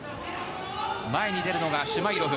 前に出るのがシュマイロフ。